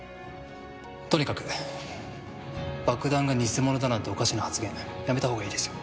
とにかく爆弾が偽物だなんておかしな発言やめたほうがいいですよ。